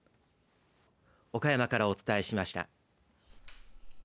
岡山からお伝えしました。